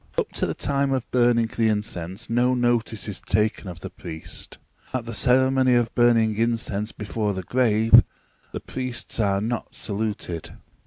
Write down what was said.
Up to the time of burning the incense no notice is taken of the priest. At the ceremony of burning incense before the grave, the priests are not saluted.